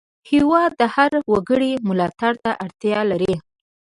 هېواد د هر وګړي ملاتړ ته اړتیا لري.